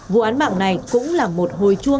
vụ án mạng này cũng là một hồi chuông